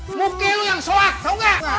eh muki lo yang soak tau gak